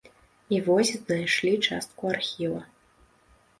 І вось знайшлі частку архіва.